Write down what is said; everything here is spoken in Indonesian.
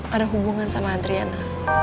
ada hubungan sama adriana